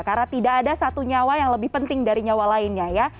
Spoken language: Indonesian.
karena tidak ada satu nyawa yang lebih penting dari nyawa lainnya ya